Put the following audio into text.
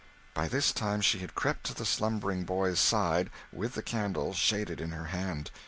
By this time she had crept to the slumbering boy's side, with the candle, shaded, in her hand.